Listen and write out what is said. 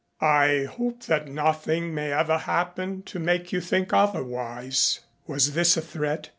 "I hope that nothing may ever happen to make you think otherwise." Was this a threat?